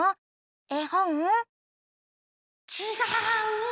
えほん？ちがう。